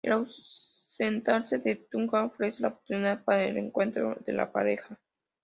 Al ausentarse de Tunja, ofrecía la oportunidad para el reencuentro de la pareja.